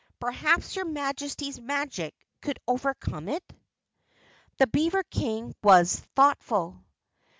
Perhaps your Majesty's magic could overcome it?" The Beaver King was thoughtful.